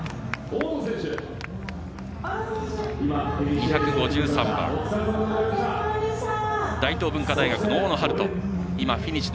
２５３番、大東文化大学の大野、フィニッシュ。